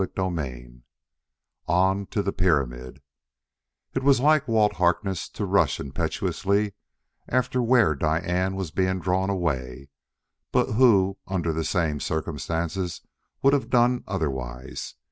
CHAPTER XX On to the Pyramid It was like Walt Harkness to rush impetuously after where Diane was being drawn away; but who, under the same circumstances, would have done otherwise?